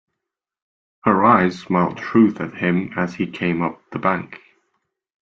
Her eyes smiled truth at him as he came up the bank.